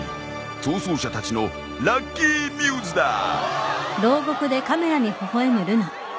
逃走者たちのラッキーミューズだぁ。